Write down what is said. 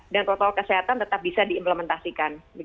dan protokol kesehatan tetap bisa diimplementasikan